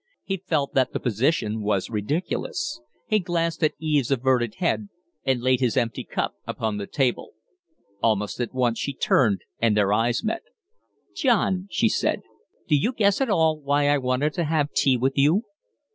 He felt that the position was ridiculous. He glanced at Eve's averted head, and laid his empty cup upon the table. Almost at once she turned, and their eyes met. "John," she said, "do you guess at all why I wanted to have tea with you?"